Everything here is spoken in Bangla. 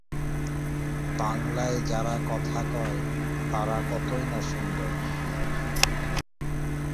প্রথম-শ্রেণীর মর্যাদার বিষয়ে পূর্ণাঙ্গ ধারনার জন্য প্রথম-শ্রেণীর ক্রিকেট নিবন্ধ দেখুন।